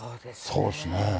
そうですね。